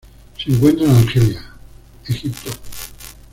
Se encuentra en Argelia; Egipto.